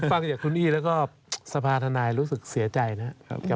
ฟังจากคุณอี้แล้วก็สภาธนายรู้สึกเสียใจนะครับ